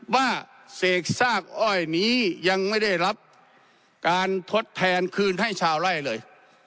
เสกซากอ้อยนี้ยังไม่ได้รับการทดแทนคืนให้ชาวไล่เลย